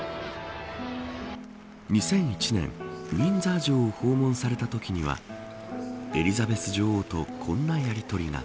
２００１年、ウィンザー城を訪問されたときにはエリザベス女王とこんなやりとりが。